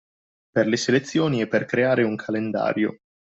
Per le selezioni e per creare un calendario.